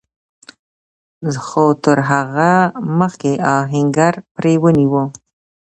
خو تر هغه مخکې آهنګر پړی ونيو.